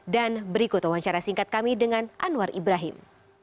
dan berikut wawancara singkat kami dengan anwar ibrahim